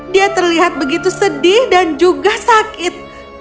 dia terlihat begitu sedih dan juga sakit